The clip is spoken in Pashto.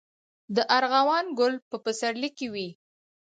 د ارغوان ګل په پسرلي کې وي